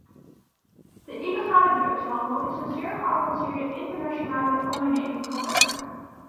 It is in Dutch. De illegale drugshandel is een zeer geavanceerde internationale onderneming geworden.